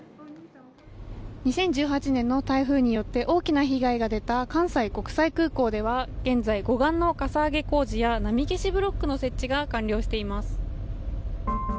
２０１８年の台風によって大きな被害が出た関西国際空港では現在、護岸のかさ上げ工事や波消しブロックの設置が完了しています。